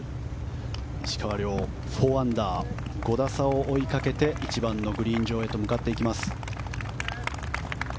石川遼、４アンダー５打差を追いかけて１番グリーン上へ向かいます。